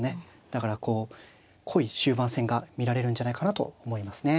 だからこう濃い終盤戦が見られるんじゃないかなと思いますね。